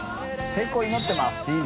成功を祈ってます」